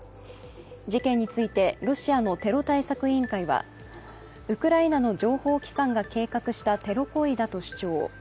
事件について、ロシアのテロ対策委員会は、ウクライナの情報機関が計画したテロ行為だと主張。